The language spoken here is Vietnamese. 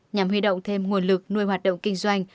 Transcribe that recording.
nhằm huy động thêm nguồn lực nuôi hoạt động kinh doanh